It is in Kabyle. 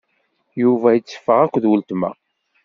Yuba iteffeɣ akked weltma.